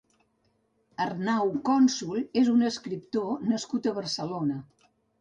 Arnau Cònsul és un escriptor nascut a Barcelona.